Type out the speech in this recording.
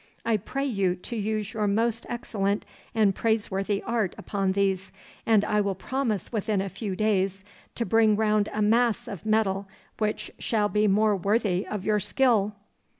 I pray you to use your most excellent and praiseworthy art upon these, and I will promise within a few days to bring round a mass of metal which shall be more worthy of your skill.